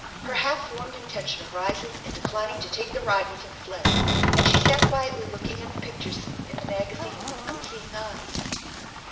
Her half formed intention of rising and declining to take the ride with him fled, and she sat quietly looking at the pictures in the magazine with unseeing eyes.